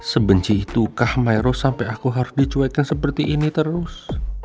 sebenci itukah miro sampai aku harus dicuekkan seperti ini terus